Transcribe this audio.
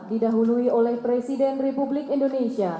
didahului oleh presiden republik indonesia